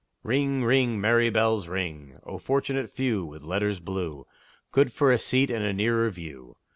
Ring, ring! merry bells, ring! O fortunate few, With letters blue, Good for a seat and a nearer view!